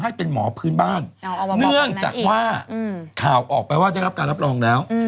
ให้เป็นหมอพื้นบ้านเนื่องจากว่าข่าวออกไปว่าได้รับการรับรองแล้ว